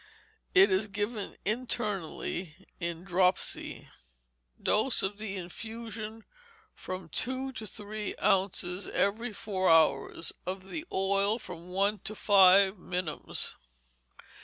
It is given internally in dropsy. Dose, of the infusion, from two to three ounces every four hours, of the oil, from one to five minims.